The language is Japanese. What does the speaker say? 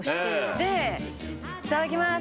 いただきます。